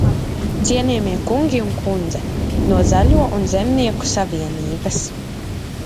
Cienījamie kungi un kundze no Zaļo un zemnieku savienības!